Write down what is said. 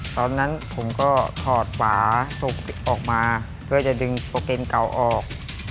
ตอนนั้นผมก็ถอดฝาศพออกมาเพื่อจะดึงโปรเกณฑเก่าออก